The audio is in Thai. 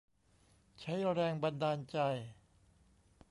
ใช้แรงบันดาลใจ